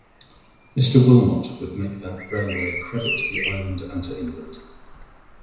Mr. Willmott would make that railway a credit to the Island and to England.